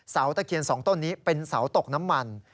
ตะเคียน๒ต้นนี้เป็นเสาตกน้ำมัน